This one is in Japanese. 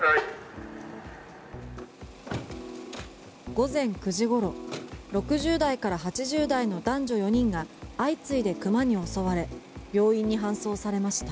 午前９時ごろ６０代から８０代の男女４人が相次いで熊に襲われ病院に搬送されました。